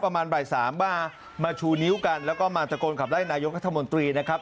ประมาณบ่ายสามว่ามาชูนิ้วกันแล้วก็มาตะโกนขับไล่นายกรัฐมนตรีนะครับ